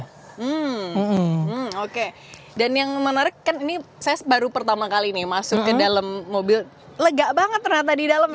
hmm oke dan yang menarik kan ini saya baru pertama kali nih masuk ke dalam mobil lega banget ternyata di dalam ya